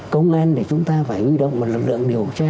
công an thì chúng ta phải huy động một lực lượng điều tra